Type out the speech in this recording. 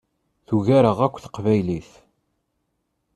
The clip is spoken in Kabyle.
Tugar-aɣ akk Teqbaylit!